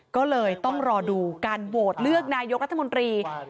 ก็เลยต้องรอดูการโหวตเลือกนายกรัฐมนตรี